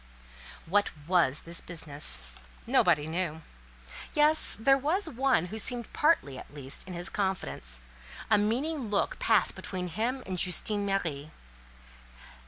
What was this business? Nobody knew. Yes, there was one who seemed partly, at least, in his confidence; a meaning look passed between him and Justine Marie.